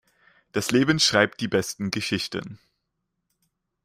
Das Leben schreibt die besten Geschichten.